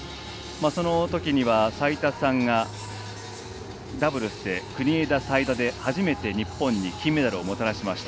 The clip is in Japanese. そのときには齋田さんがダブルスで、国枝、齋田で初めて日本に金メダルをもたらしました。